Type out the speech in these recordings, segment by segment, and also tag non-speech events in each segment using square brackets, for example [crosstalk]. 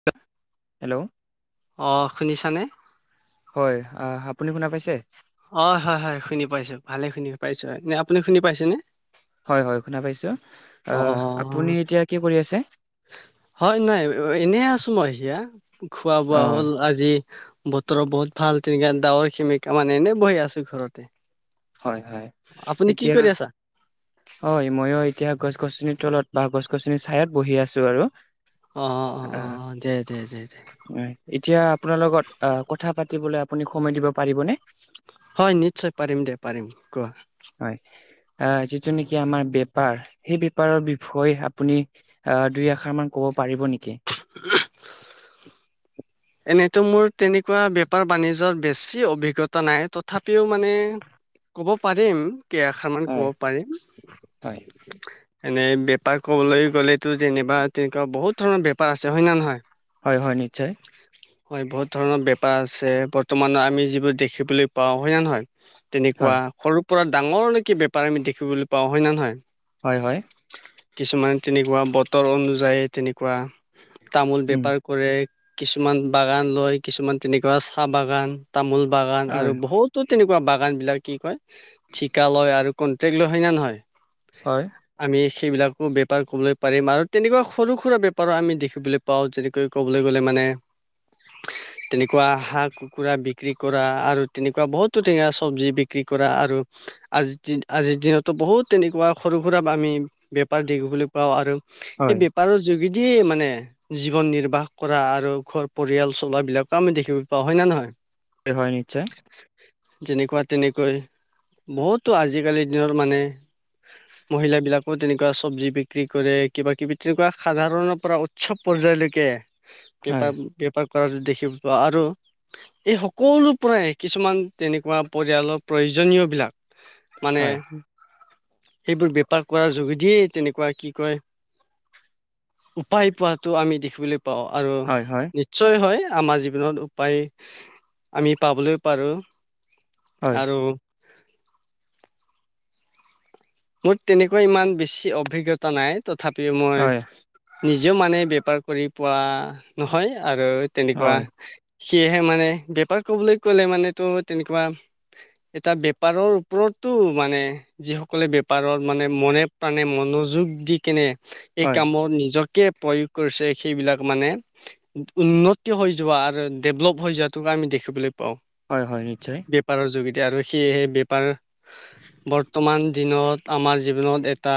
[inaudible] Hello অঁ শুনিছানে? হয়, আ- আপুনি শুনা পাইছে? হয় হয়-হয় শুনি পাইছো, ভালে শুনি পাইছো, নে আপুনি শুনি পাইছেনে? হয় হয় শুনা পাইছো। অ আপুনি এতিয়া কি কৰি আছে? হয় নাই এনে আছো মই সেয়া, খোৱা-বোৱা অ' হ'ল আজি বতৰো বহুত ভাল তেনেকা ডাৱৰ সেমেকা মানে এনেই বহি আছোঁ ঘৰতে। হয় হয়, আপুনি কি এতিয়া কৰি আছা হয় ময়ো এতিয়া গছ-গছনিৰ তলত বা গছ-গছনি চায়াত বহি আছো আৰু। অঁ আহ অ-অ-অ-অ দে-দে-দে-দে। হয়, এতিয়া আপোনাৰ লগত কথা পাতিবলৈ আপুনি সময় দিব পাৰিবনে? হয় নিশ্চয় পাৰিম দে পাৰিম কোৱা। হয় আ যিটো নেকি আমাৰ বেপাৰ সেই বেপাৰৰ বিষয়ে আপুনি আ দুই এখাৰ মান ক'ব পাৰিব নেকি? [inaudible] এনেইতো মোৰ তেনেকুৱা বেপাৰ বাণিজ্যত বেছি অভিজ্ঞতা নাই, তথাপিও মানে [inaudible] কব পাৰিম কেই আখাৰ মান হয় কব পাৰিম। হয় এনেই বেপাৰ ক'বলৈ গ'লেতো যেনিবা তেনেকুৱা বহুত ধৰণৰ বেপাৰ আছে হয় ন নহয়? হয় হয় নিশ্চয়। হয় বহুত ধৰণৰ বেপাৰ আছে বৰ্তমান আমি যিবোৰ দেখিবলৈ পাওঁ, হয় নে নহয়? হয় তেনেকুৱা সৰুৰ পৰা ডাঙৰ লৈকে বেপাৰ আমি দেখিবলৈ পাওঁ, হয় নে নহয়? হয় হয়। কিছুমান তেনেকুৱা বতৰ অনুযায়ী তেনেকুৱা তামোল উম বেপাৰ কৰে কিছুমান বাগান লয় কিছুমান তেনেকুৱা চাহ বাগান তামোল বাগান হয় আৰু বহুতো তেনেকুৱা বাগান বিলাক কি কয় ঠিকা লয় আৰু কণ্টেক্ট লয়, হয় নে নহয়? হয়। আমি সেইবিলাকো বেপাৰ কবলৈ পাৰিম আৰু তেনেকুৱা সৰু সুৰা বেপাৰো আমি দেখিবলৈ পাওঁ যেনেকৈ কবলৈ গ'লে মানে [inaudible] তেনেকুৱা হাঁহ কুকুৰা বিক্ৰী কৰা আৰু তেনেকুৱা বহুতো তেনেকুৱা চব্জি বিক্ৰী কৰা আৰু আজি আজিৰ দিনতো বহুত তেনেকুৱা সৰু সুৰা আমি বেপাৰ দেখিবলৈ পাওঁ আৰু এই হয় বেপাৰৰ যোগেদিয়ে মানে জীৱন নিৰ্বাহ কৰা আৰু ঘৰ পৰিয়াল চলাবিলাকো আমি দেখিবলৈ পাওঁ, হয় নে নহয়? এ হয় নিশ্চয়। যেনেকুৱা তেনেকৈ বহুতো আজিকালিৰ দিনত মানে মহিলাবিলাকো তেনেকুৱা চব্জি বিক্ৰী কৰে, কিবা কিবি তেনেকুৱা সাধাৰণৰ পৰা চব পৰ্যায়লৈকে হয় বেপাৰ বেপাৰ কৰাটো দেখিব পাও আৰু এই সকলো পৰাই কিছুমান তেনেকুৱা পৰিয়ালৰ প্ৰয়োজনীয়বিলাক মানে হয় সেইবোৰ বেপাৰ কৰাৰ যোগেদি তেনেকুৱা কি কয় উপায় পোৱাটো আমি দেখিবলৈ পাও আৰু হয় হয় নিশ্চয় হয় আমাৰ জীৱনত উপায় আমি পাবলৈ পাৰোঁ। হয়, আৰু মোৰ তেনেকুৱা ইমান বেছি অভিজ্ঞতা নাই তথাপিও মই হয়, নিজেও মানে বেপাৰ কৰি পোৱা নহয়, আৰু তেনেকুৱা হয়, সেয়েহে মানে বেপাৰ কবলৈ কলে মানে তো তেনেকুৱা এটা বেপাৰৰ ওপৰতো মানে যিসকলে বে পাৰৰ মানে মনে প্ৰাণে মনোযোগ দি কেনে এই হয়, কামত নিজকে প্ৰয়োগ কৰিছে সেইবিলাক মানে উন্নতি হৈ যোৱা আৰু ডেভলপ হৈ যোৱাতো আমি দেখিবলৈ পাওঁ। হয় হয় নিশ্চয়। বেপাৰৰ যোগেদি আৰু সেয়েহে বেপাৰ বৰ্তমান দিনত আমাৰ জীৱনত এটা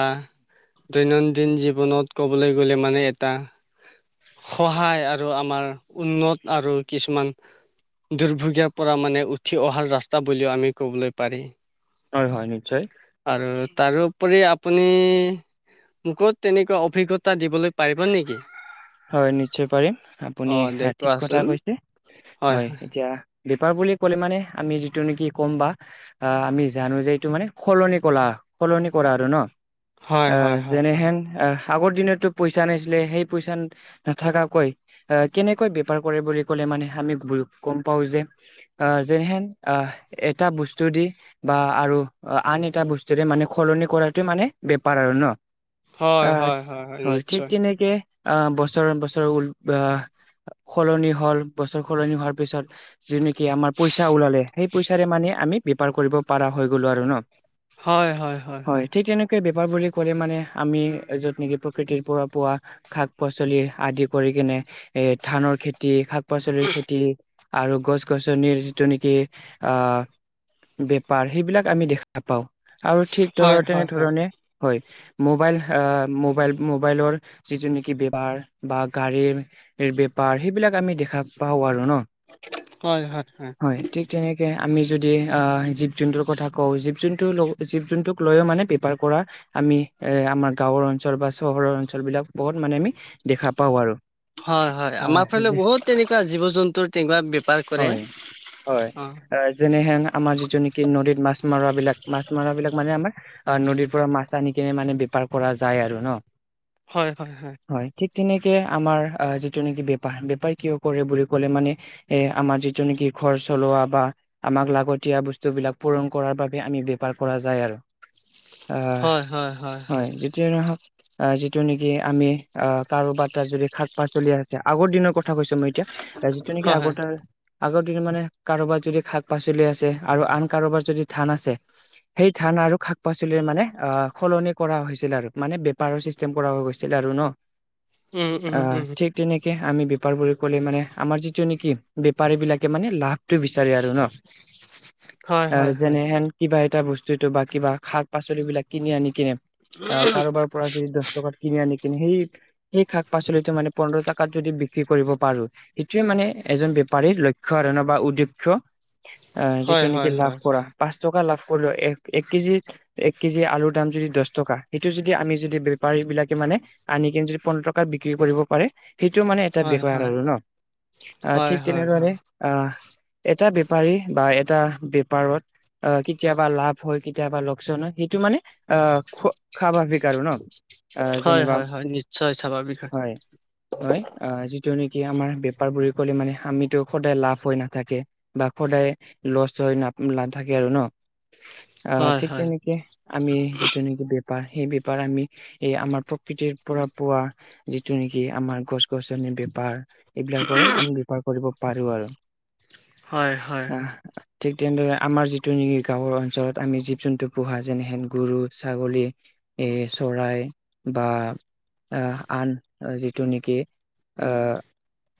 দৈনন্দিন জীৱনত ক'বলৈ গ'লে মানে এটা সহায় আৰু আমাৰ উন্নত আৰু কিছুমান দুৰ্ভোগীয়া পৰা মানে উঠি অহাৰ ৰাস্তা বুলিও আমি ক'বলৈ পাৰি। হয় হয় নিশ্চয়। আৰু তাৰোপৰি আপুনি। মোকো তেনেকুৱা অভিজ্ঞতা দিবলৈ পাৰিব নেকি? হয় নিশ্চয় পাৰিম আপুনি অ' দে ঠিক কথা কোৱাচোন কৈছে হয় এতিয়া। বেপাৰ বুলি ক'লে, মানে আমি যিটো নেকি ক'ম বা। আহ আমি জানো যে এইটো মানে সলনি কৰালা সলনি কৰা আৰু ন। হয় আহ হয় হয় হয় যেনেহেন আহ আগৰ দিনতো পইচা আ নছিলে সেই পইচান নাথাকাকৈ আহ কেনেকৈ বেপাৰ কৰে বুলি ক'লে মানে আমি গম পাও যে। আঁহ যেনেহেন আঁহ এটা বস্তু দি বা আৰু আন এটা বস্তুৰে মানে সলনি কৰাটো মানে বেপাৰ আৰু ন। হয় আঁহ হয় হয় ঠিক নিশ্চয়। তেনেকে আহ বছৰ বছৰৰ আঁহ সলনি হ'ল, বছৰ সলনি হোৱাৰ পিছত যি নেকি আমাৰ পইচা ওলালে সেই পইচাৰে মানে আমি বেপাৰ কৰিব পাৰা হৈ গলো আৰু ন। হয়, ঠিক তেনে বেপাৰ বুলি ক'লে মানে আমি য'ত নেকি প্ৰকৃতিৰ পৰা পোৱা শাক পা চলি আদি কৰি কিনে এ ধানৰ খেতি শাক পাচলিৰ খেতি আৰু গছ গছনিৰ যিটো নেকি আঁহ বেপাৰ সেইবিলাক আমি দেখ খা‌ পাওঁ, নাপাও আৰু ঠিক হয় ধৰ হয় হয় তেনেধৰণে হয়। মোবাইল মোবাইল মোবাইলৰ যিটো নেকি পাৰ বা গাড়ীৰ বেপাৰ সেইবিলাক আমি দেখা পাওঁ আৰু ন। হয় হয় হয়। ঠিক তেনেকে আমি যদি জীৱ জন্তুৰ কথা কওঁ, জীৱ জন্তু লগ জীৱ জন্তুক লৈও মানে বেপাৰ কৰা আমি এ আমাৰ গাঁওৰ অঞ্চল বা চহৰৰ অঞ্চল বিলাক বহুত মানে আমি দেখা পাওঁ আৰু। হয় হয়, আহ আমাৰ ফালে যে বহুত তেনেকুৱা জীৱ জন্তুৰ তেনেকুৱা বেপাৰ কৰে। হয় হয়, অ যেনেহেন আমাৰ যিটো নেকি নদীত মাছ মাৰ বিলাক মাছ মাৰ বিলাক মানে আমাৰ অ নদীৰ পৰা মাছ আনি কিনে মানে বেপাৰ কৰা যায় আৰু ন। হয় হয় হয়। হয়, ঠিক তেনেকে আমাৰ যিটো নেকি বেপাৰ বেপাৰ কিয় কৰে বুলি ক'লে মানে এ আমাৰ যিটো নেকি ঘৰ চলোৱা বা আমাক লাগতিয়া বস্তু বিলাক পূৰণ কৰাৰ বাবে আমি বপাৰ কৰা যায় আৰু। আঁহ হয়, যেতিয়া নহওক আঁহ যিটো নেকি আমি অ কাৰোবাৰ তাত যদি শাক পাত চলি আছে। আগৰ দিনৰ কথা কৈছো মই এতিয়া যিটো নেকি হয় আগৰ হয় আগৰ দিনত মানে কাৰোবাৰ যদি শাক পাচলি আছে আৰু আন কাৰোবাৰ যদি ধান আছে। সেই ধান আৰু শাক পাচলিৰ মানে অঁ সলনি কৰা হৈছিল আৰু মানে বেপাৰৰ চি- ষ্টেম কৰা হৈ গৈছিলে আৰু ন। উম উম অঁ উম ঠিক তেনেকে আমি বেপাৰ বুলি ক'লে মানে আমাৰ যিটো নেকি বেপাৰী বিলাকে মানে লাভ টো বিচাৰে আৰু ন, হয় অঁ হয় হয় যেনেহেন কিবা এটা বস্তুতটো বা কিবা শাক পাচলিবলাক কিনি আনি কিনে এ কাৰোবাৰ পৰা যদি দশ টকাত কিনি আনি কিনে সেই সেই শাক পাচলিটো মানে পোন্ধৰ টকাত যদি বিক্ৰী কৰিব পাৰো। সেইটোৱে মানে এজন বেপাৰীৰ লক্ষ্য আৰু ন বা উদ্দেক্ষ। আহ যিটো হয় নেকি হয় লাভ হয় কৰা পাঁচ টকা লাভ কৰিলো, এক এক কেজি এক কেজি আলুৰ দাম যদি দহ টকা সেইটো যদি আমি যদি বেপাৰী বিলাকে মানে। আনি কিনে যদি পোন্ধৰ টকাত বিক্ৰী কৰিব পাৰে। সেইটো মানে এটা হয় হয় বেপাৰ হয় আৰু ন ঠিক হয় হয় হয় তেনেদৰে। আহ এটা বেপাৰী বা এটা বেপাৰত। অ কেতিয়াবা লাভ হয় কেতিয়াবা লোকচান হয় সেইটো মানে। আহ খ খাবা বিকা আৰু ন। আহ হয় যেনিবা হয় হয় নিশ্চয় স্বাভাৱিক। হয়। হয় অ যিটো নেকি আমাৰ বেপাৰ বুলি কলে মানে আমিতো সদায় লাভ হৈ নাথাকে। বা সদায় লচ হৈ ন নাথাকে আৰু ন আহ হয়, ঠিক হয়, তেনেকে। আমি যিটো নেকি বেপাৰ সেই বেপাৰ আমি এই আমাৰ প্ৰকৃতিৰ। পৰা পোৱা যিটো নেকি আমাৰ গছ গছনিৰ বেপাৰ এইবিলাকৰ আমি বেপাৰ। কৰিব পাৰো আৰু। হয় হয় আহ হয়। ঠিক তেনেদৰে আমাৰ যিটো নেকি গাঁওৰ অঞ্চলত আমি জীৱ জন্তু পোহা যেনেহেন গৰু ছাগলী। এই চৰাই বা। অহ আন যিটো নেকি অ।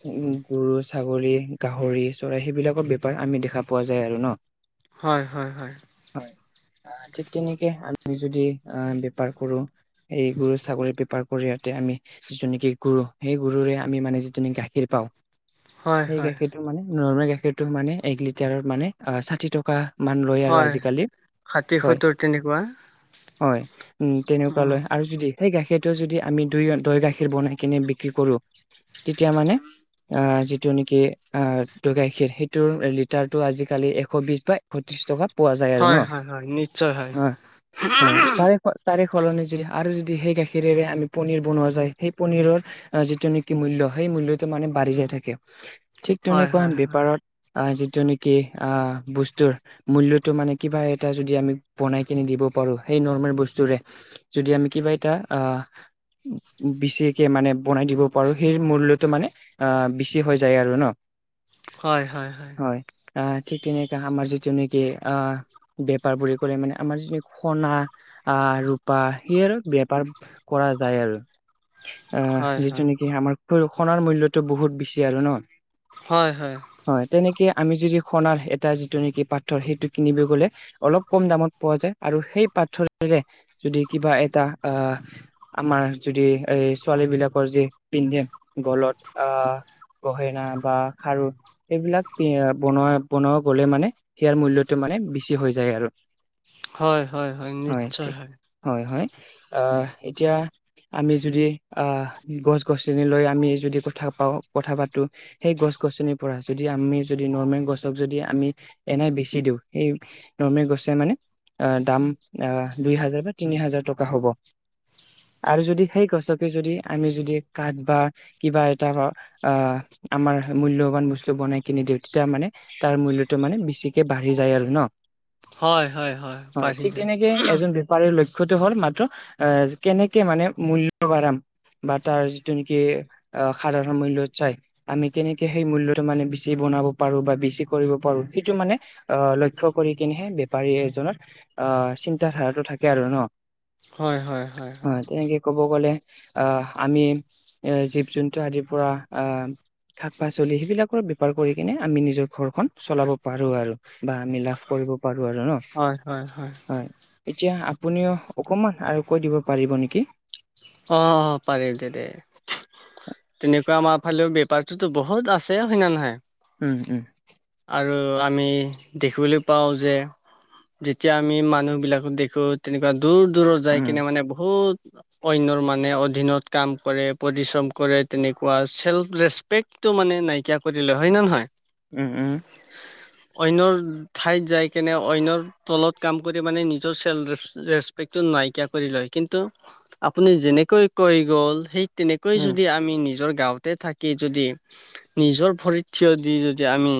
উম গৰু, ছাগলী, গাহৰি, চৰাই সেইবিলাকৰ বেপাৰ আমি দেখা পোৱা যায় আৰু ন। [inaudible] হয় হয় হয় হয়। অ ঠিক তেনেকে আমি যদি আহ বেপাৰ কৰো এই গৰু ছাগলী। পাৰ কৰি যাতে আমি যিটো নেকি গৰু সেই গৰুৰে আমি মানে যিটো নেকি গাখীৰ পাওঁ হয়, সেই হয়, গাখীৰটো মানে নৰ্মেল গাখীৰটো মানে এক লিটাৰত মানে অ ষাঠি টকা। মান লয় আৰু হয়, আজিকালি ষাঠি হয়। সত্তৰ তেনেকুৱা। হয় উম তেনেকুৱা উম, লৈ আৰু যদি সেই গাখীৰ। তে যদি আমি দুই দৈ গাখীৰ বনাই কিনে বিক্ৰী কৰো তেতিয়া মানে। অ যিটো নেকি অ গাখীৰ সেইটোৰ লিটাৰটো আজিকালি এশ বিশ বা। পঁচিছ টকা পোৱা যায় আৰু ন হয়, হয়, হয়, নিশ্চয় হয়। হয় তাৰে। তাৰে সলনি যদি আৰু যদি সেই গাখীৰেৰে আমি পনীৰ বনোৱা যায় সেই পনীৰৰ। যিটো নেকি মূল্য সেই মূল্যটো মানে বাঢ়ি যায় থাকে ঠিক হয়, তেনেকুৱা হয়, হয়, বেপাৰত। অ যিটো নেকি অ বস্তুৰ। মূল্যটো মানে কিবা এটা যদি আমি বনাই কিনে দিব পাৰো সেই নৰ্মেল বস্তুৰে। যদি আমি কিবা এটা আহ। বেচিকে মানে বনাই দিব পাৰো সেই মূল্যটো মানে। অ বেছি হৈ যায় আৰু ন। হয় হয় হয়। আহ ঠিক তেনেকা আমাৰ যিটো নেকি আহ বেপাৰ বুলি কৰে মানে আমাৰ যিটো নেকি সোণা। আহ ৰূপা সেই আৰু বেপাৰ। কৰা যায় আৰু হয়, আহ যিটো নেকি আমাৰ। ৰূপ, সোণাৰ মূল্যতটো বহুত বেছি আৰু ন। হয় হয়। হয় তেনেকে আমি যদি সোণাৰ এটা যিটো নেকি পাথৰ সেইটো কিনিব গলে। অলপ কম দামত পোৱা যায় আৰু সেই পাথৰেৰে যদি কিবা এটা আহ। আমাৰ যদি এই ছোৱালী বিলাকৰ যি পিন্ধে গলত আহ। গহেনা বা খাৰু, সেইবিলাক বনোৱা বনোৱা গলে মানে সিয়াৰ মূল্যটো মানে বেছি হৈ যায় আৰু, হয় হয় হয় নিশ্চয় হয়। হয় হয় আ এতিয়া, আমি যদি আহ গছ গছনি লৈ আমি যদি কথা পাওঁ কথা পাতো, সেই গছ গছনিৰ পৰা যদি আমি যদি নৰ্মেল গছক যদি আমি এনেই বেচি দিওঁ সেই, নৰ্মেল গছে মানে অ দাম আহ দুই হাজাৰ বা তিনি হাজাৰ টকা হ'ব। আৰু যদি সেই গছকে যদি আমি যদি কাঠ বা, কিবা এটা আহ আমাৰ মূল্যবান বস্তু বনাই কিনি দিওঁ তেতিয়া মানে, তাৰ মূল্যটো মানে বেছিকে বাঢ়ি যায় আৰু ন, হয়, হয়, হয় বাঢ়ি ঠিক যায়। তেনেকে এজন বেপাৰীৰ লক্ষ্যটো হ'ল মাত্ৰ, আহ কেনেকে মানে মূল্য বাঢ়াম। বা তাৰ যিটো নেকি অ সাধাৰণ মূল্যত চাই, আমি কেনেকে সেই মূল্যটো মানে বেছি বনাব পাৰো বা বেছি কৰিব পাৰো সেইটো মানে, আহ লক্ষ্য কৰি কিনেহে বেপাৰী এজনৰ আহ চিন্ত ধাৰাটো থাকে আৰু ন, হয় হয়। হয় তেনেকে, ক'ব গ'লে আহ আমি এ জীৱ জন্তু আদিৰ পৰা আহ, শাক পাচলি সেইবিলাকৰ বেপাৰ কৰি কিনে আমি নিজৰ ঘৰখন চলাব পাৰোঁ আৰু, বা আমি লাভ কৰিব পাৰো আৰু ন, হয় হয় হয়। এতিয়া আপুনিও অকমান আৰু কৈ দিব পাৰিব নেকি? অ অ পাৰিম দে দে, তেনেকুৱা আমাৰ ফালেও বেপাৰতোতো বহুত আছে হয় নে নহয়, উম উম আৰু আমি দেখিবলৈ পাওঁ যে, যেতিয়া আমি মানুহ বিলাকক দেখো তেনেকুৱা দূৰ দূৰত যাই উম কিনে মানে বহুত, অইনৰ মানে অধীনত কাম কৰে পৰিশ্ৰম কৰে তেনেকুৱা চেল্ফলেচ, পেকটো মানে নাইকিয়া কৰি লয় হয় নে নহয়, উম উম, অন্যৰ ঠাইত যাই কেনে অন্যৰ, তলত কাম কৰি মানে নিজৰ চেল্ফ ছেল্ফ ৰেস্পেক্টো নাইকিয়া কৰি লয় কিন্তু, আপুনি যেনেকৈ কৈ গ'ল সেই তেনেকৈ উম যদি আগ আমি নিজৰ গাওঁতে থাকি যদি নিজৰ ভৰিত থিয় দি যদি আমি,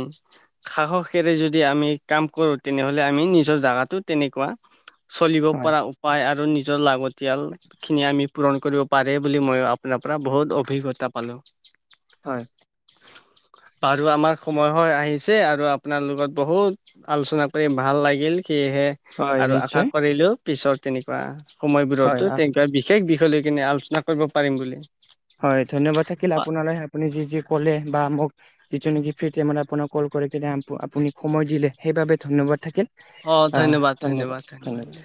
সাহসেৰে যদি আমি কাম কৰো তেনেহলে আমি নিজৰ জাগাতো তেনেকুৱা, চলিব হয় পৰা উপায় আৰু নিজৰ লাগতিয়াল খিনি আমি পূৰণ কৰিব, পাৰে বুলি মই আপোনাৰ পৰা বহুত অভিজ্ঞতা পালো। হয়। বাৰু আমাৰ সময়, হয় আহিছে আৰু আপোনাৰ লগত বহুত আলোচনা কৰি ভাল লাগিল সেয়েহে, হয় আৰু আশা নিশ্চয় কৰিলো পিছৰ তেনেকুৱা হয় সময়বোৰতো, আহ এটা বিশেষ বিষয় লৈ কিনে আলোচনা কৰিব পাৰিম বুলি। হয় ধন্যবাদ থাকিল আপোনালৈ আপুনি যি যি ক'লে বা মোক, যিটো নেকি ফ্ৰী টাইমত আপোনাক কল কৰে আপুনি সময় দিলে সেইবাবে ধন্যবাদ থাকিল। আ ধন্যবাদ ধন্যবাদ।